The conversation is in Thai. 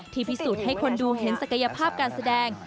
พิสูจน์ให้คนดูเห็นศักยภาพการแสดง